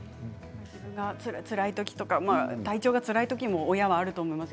自分がつらいときとか体調がつらいときも親はあると思います。